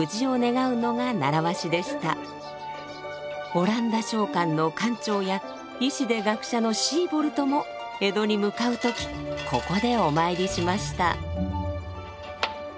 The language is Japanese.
オランダ商館の館長や医師で学者のシーボルトも江戸に向かう時ここでお参りしました。